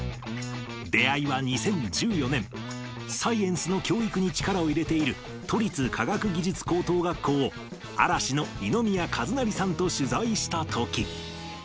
出会いは２０１４年、サイエンスの教育に力を入れている、都立科学技術高等学校を嵐の二宮和也さんと取材したとき。